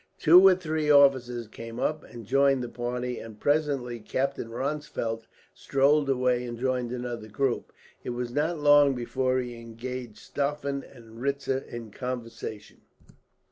Two or three more officers came up and joined the party, and presently Captain Ronsfeldt strolled away and joined another group. It was not long before he engaged Stauffen and Ritzer in conversation.